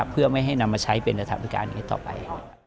เพื่อไม่ให้นำมาใช้เป็นอาถารการต่อไป